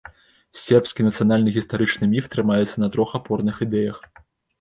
Сербскі нацыянальны гістарычны міф трымаецца на трох апорных ідэях.